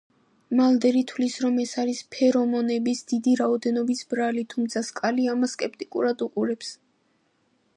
მალდერი თვლის, რომ ეს არის ფერომონების დიდი რაოდენობის ბრალი, თუმცა სკალი ამას სკეპტიკურად უყურებს.